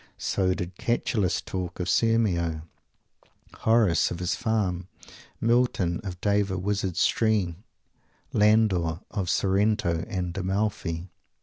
So did Catullus talk of Sirmio; Horace of his Farm; Milton of "Deva's wizard stream"; Landor of Sorrento and Amalfi.